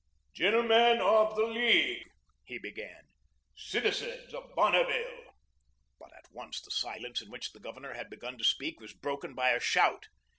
"Gentlemen of the League," he began, "citizens of Bonneville" But at once the silence in which the Governor had begun to speak was broken by a shout.